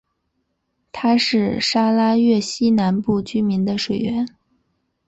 它是沙拉越西南部居民的水源。